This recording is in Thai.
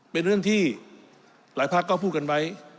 เป็นเรื่องที่หลายพักก็พูดกันไว้